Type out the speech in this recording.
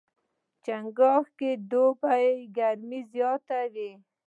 چنګاښ کې د دوبي ګرمۍ زیاتې وي.